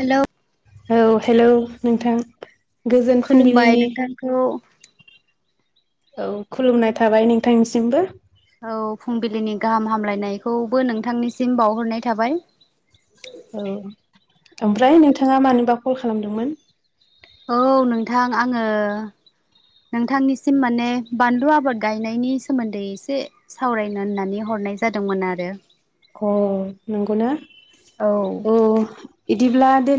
Hello औ hello नोंथां गोजोन खुलुमबाय फुंबिलिनि नोंथांखौ औ खुलुमनाय थाबाय नोंथांनिसिमबो औ फुंबिलिनि गाहाम हामलायनायखौबो नोंथांनिसिम बावहरनाय थाबाय। औ ओमफ्राय नोंथांङा मानोबा कल खालामदोंमोन? औ नोंथां आङो नोंथांनिसिम माने बानलु आबाद गायनायनि सोमोन्दै एसे सावरायनो होननानै ह हरनाय जादोंमोन आरो। अ नंगौ ना औ बिदिब्ला द‌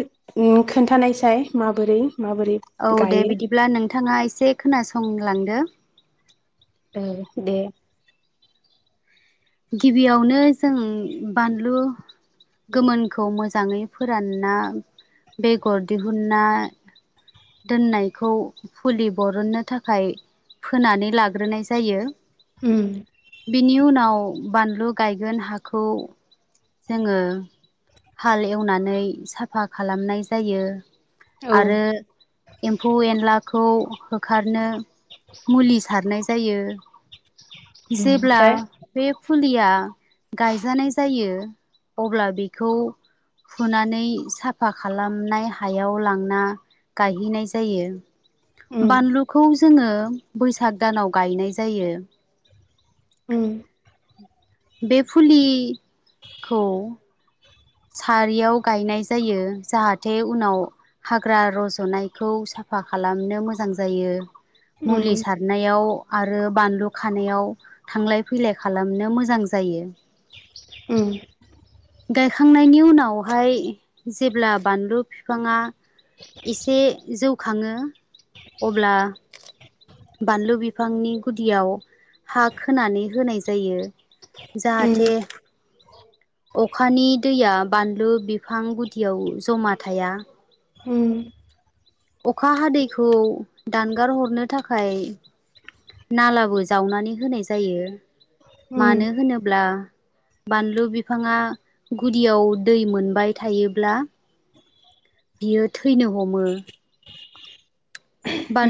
खोन्थानायसाय माबोरै? माबोरै औ दे गायो बिदिब्ला नोंथाङा एसे खोनासंलांदो ए‌ दे। गिबियावनो जों बानलु गोमोनखौ मोजाङै फोरानना बेगर दिहुनना दोननायखौ फुलि बरननो थाखाय फोनानै लाग्रोनाय जायो। उम बिनि उनाव बानलु गायगोन हाखौ जोङो हाल एवनानै साफा खालामनाय जायो औ आरो एम्फौ एनलाखौ होखारनो मुलि सारनाय जायो जेब्ला ओमफ्राय बे फुलिया गायजानाय जायो अब्ला बेखौ फुनानै साफा खालामनाय हायाव लांना गायहैनाय जायो। उम बानलुखौ जोङो बैसाग दानाव गायनाय जायो उम बे फुलि-खौ सारियाव गायनाय जायो जाहाथे उनाव हाग्रा रज'नायखौ साफ साफा खालामनो मोजां जायो उम मुलि सारनायाव आरो बानलु खानायाव थांलाय फैलाय खालामनो मोजां जायो उम गायखांनायनि उनावहाय जेब्ला बानलु फिफांङा एसे जौ खाङो अब्ला बानलु बिफांनि गुदियाव हा खोनानै होनाय जायो उम जाहाथे अखानि दैया बानलु बिफां गुदियाव जमा थाया उम अखा हादैखौ दानगार हरनो थाखाय नालाबो जावनानै होनाय जायो उम मानो होनोब्ला बानलु बिफाङा गुदियाव दै मोनबाय थायोब्ला बियो थैनो हमो।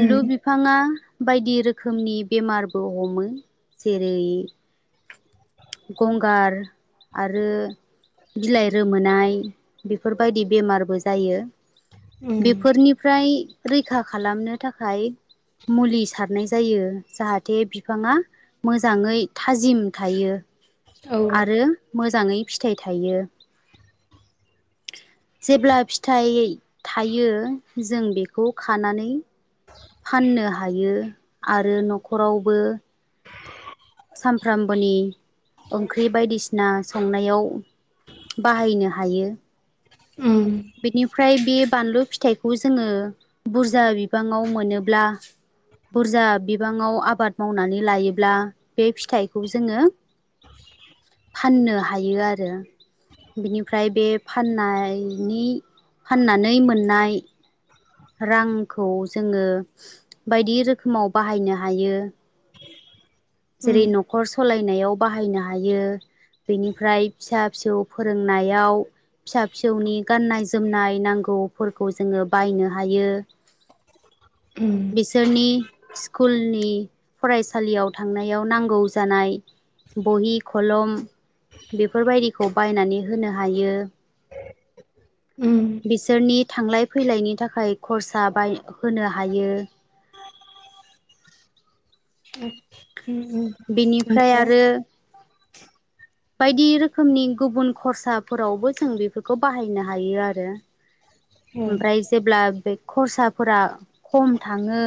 उम बिफाङा बायदि रोखोमनि बेमारबो हमो जेरै गंगार आरो बिलाइ रोमोनाय बेफोरबायदि बेमारबो जायो उम बेफोरनिफ्राय रैखा खालामनो थाखाय मुलि सारनाय जायो जाहाथे बिफाङा मोजाङै थाजिम थायो औ आरो मोजाङै फिथाइ थायो जेब्ला फिथाइ थायो जों बेखौ खानानै फाननो हायो आरो न'खरावबो सामफ्रामबोनि ओंख्रि बायदिसिना संनायाव बाहायनो हायो उम बेनिफ्राय बे बानलु फिथाइखौ जोङो बुरजा बिबाङाव मोनोब्ला बुरजा बिबाङाव आबाद मावनानै लायोब्ला बे फिथाइखौ जोङो फाननो हायो आरो। बिनिफ्राय बे फाननायनि फाननानै मोननाय रांखौ जोङो बायदि रोखोमाव बाहायनो हायो। उम जेरै न'खर सलायनायाव बाहायनो हायो। बेनिफ्राय फिसा फिसौ फोरोंनायाव फिसा फिसौनि गाननाय जोमनाय नांगौफोरखौ जोङो बायनो हायो उम बिसोरनि स्कुलनि फरायसालियाव थांनायाव नांगौ जानाय बहि, खलम बेफोरबायदिखौ बायनानै होनो हायो। उम बिसोरनि थांलाय फैलायनि था खाय खरसा बाय होनो हायो। उम बिनिफ्राय ओमफ्राय आरो बायदि रोखोमनि गुबुन खरसाफोरावबो जों बेफोरखौ बाहायनो हायो आरो। उम ओमफ्राय जेब्ला बे खरसाफोरा खम थाङो।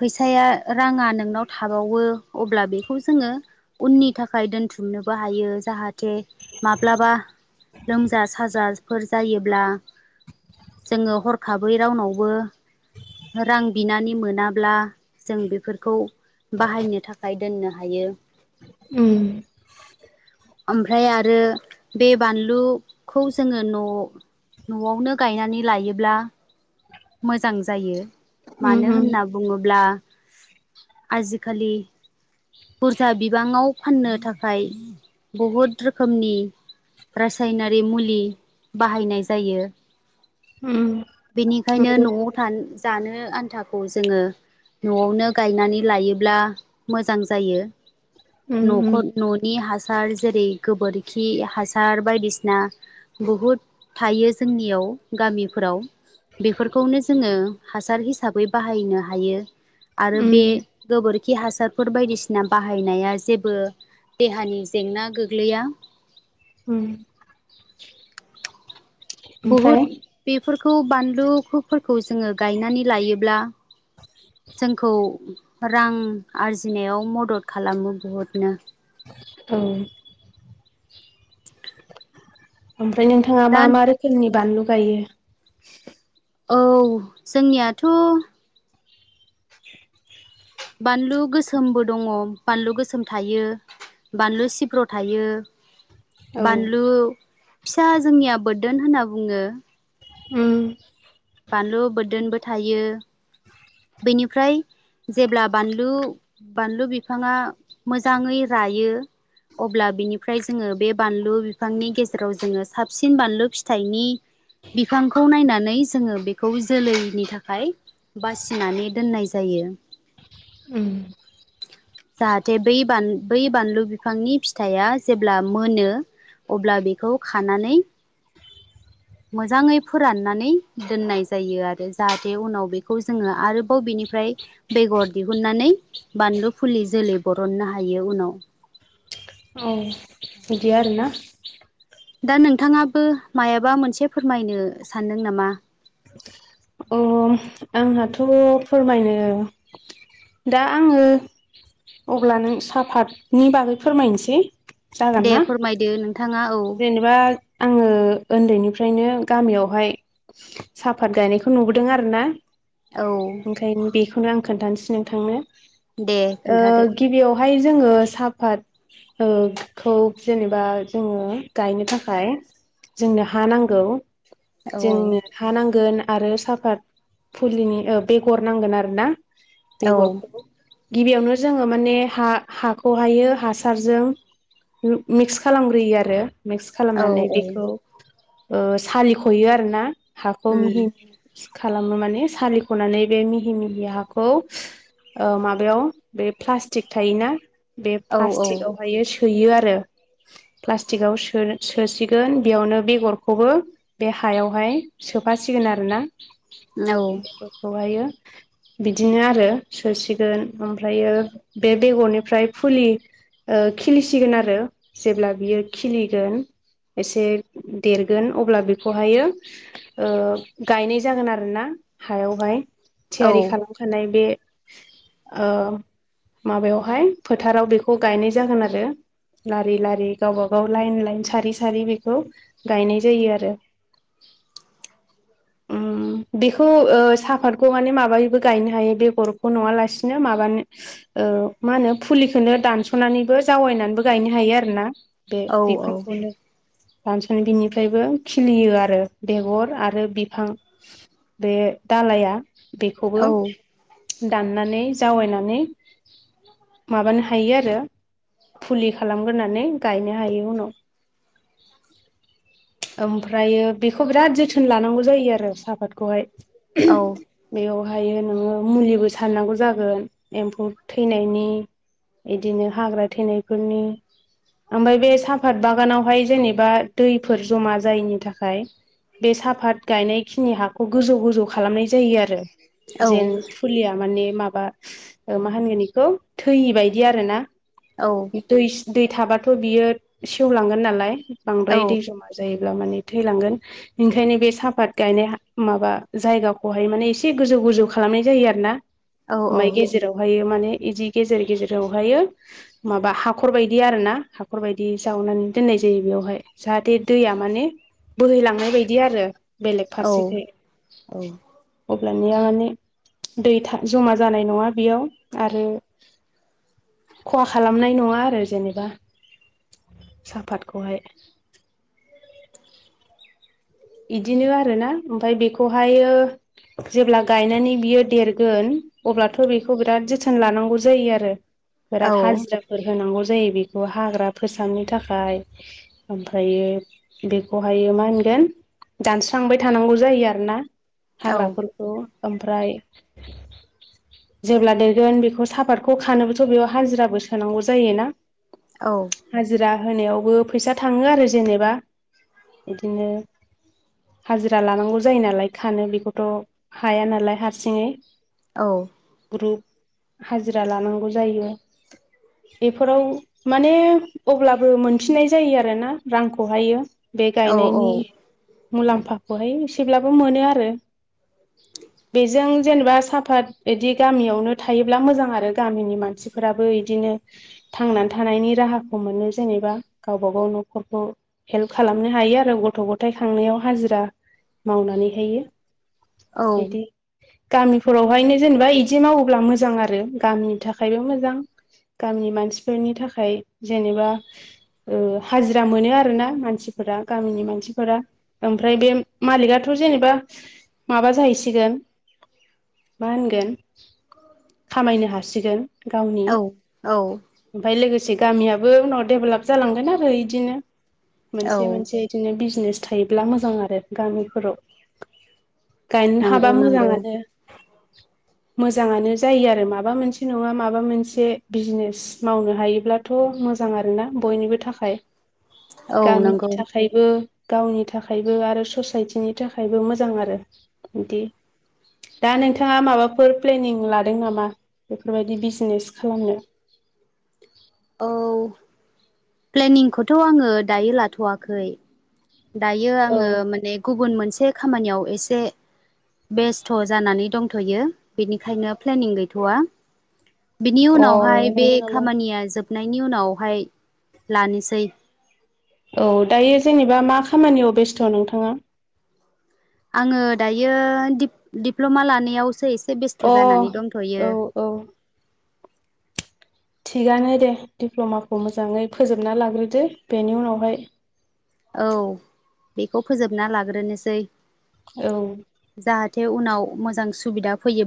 फैसाया राङा नोंनाव थाबावो अब्ला बेखौ जोङो उननि थाखाय दोनथुम नोबो हायो जाहाथे माब्लाबा लोमजा साजाफोर जायोब्ला जोङो हरखाबै रावनावबो रां बिनानै मोनाब्ला जों बेफोरखौ बाहायनो थाखाय दोननो हायो। उम [inaudible] ओमफ्राय आरो बे बानलुखौ जोङो न' न'वावनो गायनानै लायोब्ला मोजां जायो उम मानो उम होनना बुङोब्ला आजिखालि बुरजा बिबाङाव फाननो थाखाय बुहुद रोखोमनि रासायनारि मुलि बाहायनाय जायो। उम बेनिखायनो नंगौ न'वाव थानो जानो आन्थाखौ जोङो न'वावनो गायनानै लायोब्ला मोजां जायो। उम न'खौ उम न'नि हा सार जेरै गोबोरखि हासार बायदिसिना बुहुद थायो जोंनियाव। गामिफोराव बेफोरखौनो जोङो हासार हिसाबै बाहायनो हायो। आरो बे उम गोबोरखि हासारफोर बायदिसिना बाहायनाया जेबो देहानि जेंना गोग्लैया। उम ओमफ्राय बुहुद बेफोरखौ बानलुफोरखौ जोङो गायनानै लायोब्ला। जोंखौ रां आरजिनायाव मदद खालामो बुहुदनो। औ। ओमफ्राय नोंथाङा दा मा मा रोखोमनि बानलु गायो? औ जोंनियाथ' बानलु गोसोमबो दङ बानलु गोसोम थायो। बानलु सिब्र' थायो। औ बानलु फिसा जोंनिया बोददोन होनना बुङो। उम बानलु बोरदोनबो थायो बेनिफ्राय जेब्ला बानलु बानलु बिफाङा मोजाङै रायो। अब्ला बिनिफ्राय जोङो बे बानलु बिफांनि गेजेराव जोङो साबसिन बानलु फिथाइनि बिफांखौ नायनानै जोङो बेखौ जोलैनि थाखाय बासिनानै दोननाय जायो। उम जाहाथे बै बान बै बानलु बिफांनि फिथाइआ जेब्ला मोनो अब्ला बेखौ खानानै मोजाङै फोराननानै दोननाय जायो आरो जाहाथे उनाव बेखौ जोङो आरोबाव बिनि निफ्राय बेगर दिहुननानै बानलु फुलि जोलै बरननो हायो उनाव [inaudible] औ बिदि आरो ना? दा नोंथाङाबो मायाबा मोनसे फोरमायनो सानदों नामा? अ आंहाथ' फोरमायनो दा आङो अब्ला नों साफातनि बागै फोरमायनोसै। जागोन दे ना फोरमायदो नों जेनेबा आङो ओन्दैनिफ्रायनो गामियावहाय साफात गायनायखौ नुबोदों आरोना औ ओंखायनो बेखौनो आं खोन्थानोसै नोंथांनो। दे ओ खोन्थादो गिबियावहाय जोङो साफात ओ खौ जेनेबा जोङो गायनो थाखाय जोंनो हा नांगौ औ जोंनो हा नांगोन। आरो साफात फुलिनि ओ बेगर नांगोन आरोना औ बेगरखौ गिबियावनो जोङो माने हा हाखौहायो हासारजों मिक्स खालामग्रोयो आरो। मिक्स औ खालामनानै बेखौ ओ सालिख'यो आरोना। हाखौ उम मिहि मिक्स खालामो माने सालिख'नानै बे मिहि मिहि हाखौ ओ माबायाव बे प्लास्टिक थायोना बे औ औ प्लास्टिकआवहायो सोयो आरो प्लास्टिकआव सोनो-सोसिगोन बेयावनो बेगरखौबो बे हायावहाय सोफासिगोन आरोना औ बेफोरखौहायो [inaudible] बिदिनो आरो सोसिगोन ओमफ्रायो बे बेगरनिफ्राय फुलि ओ खिलिसिगोन आरो जेब्ला बियो खिलिगोन एसे देरगोन अब्ला बेखौहायो ओ गायनाय जागोन आरोना। हायावहाय औ थियारि खालामखानाय बे ओ माबायावहाय फोथाराव बेखौ गायनाय जागोन आरो लारि लारि गावबा गाव लाइन लाइन सारि सारि बेखौ गायनाय जायो आरो। [inaudible] ओम बेखौ ओ साफातखौ माने माबायैबो गायनो हायो बेगरखौ नङा लासिनो माबा ओ मा होनो फुलिखोनो दानस'नानैबो जावायनानैबो गायनो हायो आरोना। बे औ औ बिफांखौनो दानस'नाय बिनिफ्रायबो खिलियो आरो बेगर आरो बिफां। बे दालाया बेखौबो औ दाननानै जावैनानै माबानो हायो आरो फुलि खालामग्रोनानै गायनो हायो उनाव। ओमफ्रायो बेखौ बिराद जोथोन लानांगौ जायो आरो सापातखौहाय। औ बेयावहायो नोङो मुलिबो सारनांगौ जागोन एम्फौ थैनायनि। इदिनो हाग्रा थैनायफोरनि। ओमफ्राय बे साफात बागानावहाय जेनेबा दैफोर जमा जायैनि थाखाय बे साफात गायनाय खिनि हाखौ गोजौ गोजौ खालामनाय जायो आरो जेन फुलिया माने माबा मा होनगोन बेखौ थैयि बायदि आरो ना। दै दै थाबाथ' बियो सेवलांगोन नालाय बांद्राय दै जमा जायो ब्ला माने थैलांगोन ओंखायनो बे साफात गायनाय हा माबा जायगाखौहाय माने एसे गोजौ गोजौ खालामनाय जायो आरो ना ओमाय गेजेरावहाय माने बिदि गेजेर गेजेरावहायो माबा हाखर बायदि आरो ना। हाखरबायायदि जावनानै दोननाय जायो बेयावहाय जाहाथे दैया माने बोहैलांनाय बायदि आरो बेलेग फारसेखै। अब्लानिया माने दै थां जमा जानाय नङा बेयाव आरो खहा खालामनाय नङा आरो जेनेबा सफाद खौहाय। इदिनो आरोना ओमफाय बेखौहायो जेब्ला गायनानै बियो देरगोन अब्लाथ' बेखौ बिराद जोथोन लानांगौ जायो आरो बिराद हाजिराफोर होनांगौ जा जायो बेखौ हाग्रा‌ फोसाबनो थाखाय ओमफ्रायो बेखौहायो मा होनगोन गोन दानस्रांबाय थानांगौ जायो आरो ना हाग्राफोरखौ ओमफ्राय जेब्ला देरगोन बेखौ साफातखौ खानोबोथ' बेयाव हाजिराबो सोनांगौ जायोना। हाजिरा होनायावबो फैसा थाङो आरो जेनेबा इदिनो हाजिरा लानांगौ जायो नालाय खानो बेखौथ' हाया नालाय हारसिङै औ। ग्रुप हाजिरा लानांगौ जायो एफोराव माने अब्लाबो मोनफिननाय जायो आरोना रांखौहायो बे गायनायनि मुलाम्फाखौहाय एसेब्लाबो मोनो आरो। [inaudible] बेजों जेनेबा साफात बिदि गामियावनो थायोब्ला मोजां आरो गामिनि मानसिफोराबो इदिनो थांनानै थानायनि राहाखौ मोनो जेनेबा गावबा गाव न'खरखौ हेल्प खालामनो हायो आरो गथ' गथथाय खांनायाव हाजिरा मावनानैहायो औ। बिदि गामिफोरावहायनो जेनेबा बिदि मावोब्ला मोजां आरो गामिनि थाखायबो मोजां। गामि मानसिफोरनि थाखाय जेनेबा हाजिरा मोनो आरोना मानसि फोरा गामिनि मानसि फोरा ओमफ्राय बे मालिकाथ' जेनेबा माबा जाहैसिगोन मा होनगोन खामायनो हासिगोन गावनि औ ओमफाय लोगोसे लोगोसे गामियो उनाव डेभेलप जालांगोन आरो इदिनो मोनसे औ मोनसे बिदिनो बिस नेस थायोब्ला मोजां आरो गामिफोराव। गायनो हाबा नंगौ नंगौ मोजाङानो। [inaudible] मोजाङानो जायो आरो माबा मोनसे नङा माबा मोनसे बिजनेस मावनो हायोब्लाथ' मोजां आरोना बयनिबो थाखाय औ नंगौ गामिनि थाखायबो गावनि थाखायबो आरो ससायटिनि थाखायबो मोजां आरो बिदि दा नोंथाङा माबाफोर प्लेनिं लादों नामा बेफोरबायदि बिजनेस खालामनो? [inaudible] औ प्लेनिंखौथ' आङो दायो लाथ'वाखै। दायो औ आङो माने गुबुन मोनसे खामानियाव एसे बेस्थ' जानानै दंथ'यो बेनिखायनो प्लेनिं गैथ'वा। बिनि अ उनावहाय बे नंगौ नामा खामानिया जोबनायनि उनावहाय लानोसै। औ दायो जेनेबा मा खामानियाव बेस्थ' नोंथाङा? आङो दायो दिप दिप्ल'मा लानायावसो एसे एसे बेस्थ' अ जानानै दंथ'यो। औ औ थिगानो दे दिडप्ल'माखौ मोजाङै फोजोबना लाग्रोदो बेनि उनावहाय औ बेखौ फोजोबना लाग्रोनोसै। औ। जाहाथे उनाव मोजां सुबिदा फैयो